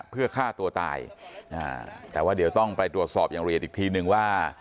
เพื่อฆ่าตัวตายแต่ว่าเดี๋ยวต้องไปตรวจสอบอย่างละเอียดอีกทีนึงว่า